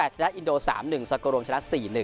๒๐๐๘ชนะอินโด๓๑สกรวมชนะ๔๑